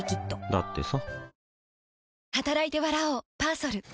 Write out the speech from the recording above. だってさ